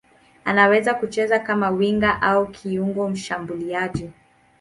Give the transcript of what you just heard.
Anaweza kucheza kama winga au kiungo mshambuliaji.